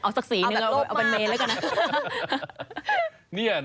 โอ้โฮเอาสักสีหนึ่งเอาแบบลบมากเอาแบบเป็นเมนแล้วกันนะ